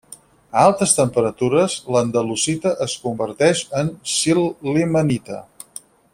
A altes temperatures, l'andalusita es converteix en sil·limanita.